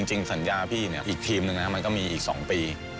จริงสัญญาพี่อีกทีมนึงมันก็มีอีก๒ปี